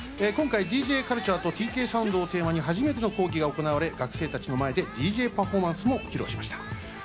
今回、ＤＪカルチャーとＴＫサウンドをテーマに初めての講義が行われ、学生たちの前でＤＪパフォーマンスも披露しました。